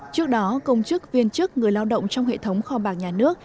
trước đó công chức viên chức người lao động trong hệ thống kho bạc nhà nước